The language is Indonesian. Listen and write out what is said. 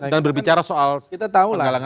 dan berbicara soal penggalangan relawan